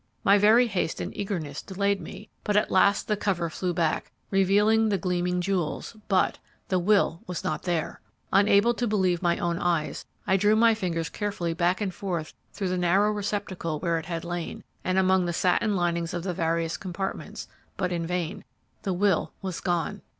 My very haste and eagerness delayed me, but at last the cover flew back, revealing the gleaming jewels, but the will was not there! Unable to believe my own eyes, I drew my fingers carefully back and forth through the narrow receptacle where it had lain, and among the satin linings of the various compartments, but in vain; the will was gone!